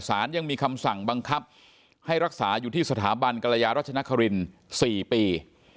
สารยังมีคำสั่งบังคับให้รักษาอยู่ที่สถาบันกรยารัชนคริน๔ปี